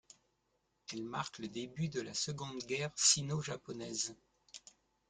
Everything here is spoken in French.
Elle marque le début de la seconde guerre sino-japonaise.